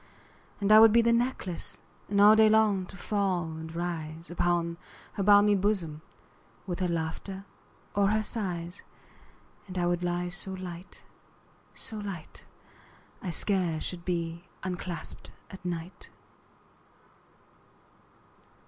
And I would be the necklace, And all day long to fall and rise Upon her balmy bosom, 15 With her laughter or her sighs: And I would lie so light, so light, I scarce should be unclasp'd at night.